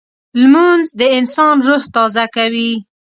لمونځ د انسان روح تازه کوي